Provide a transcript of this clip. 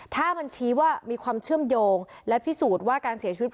ถ้ามันชี้ว่ามีความเชื่อมโยงและพิสูจน์ว่าการเสียชีวิต